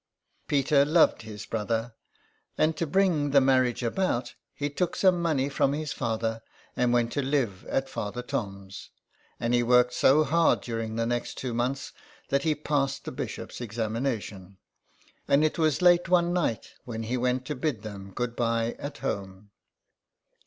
Peter loved his brother, and to bring the marriage about he took some money from his father and went to live at Father Tom's, and he worked so hard during the next two months that he passed the bishop's examination. And it was late one night when he went to bid them good bye at home.